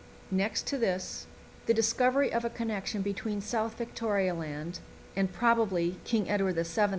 Next to this, the discovery of a connection between South Victoria Land and, probably, King Edward VII.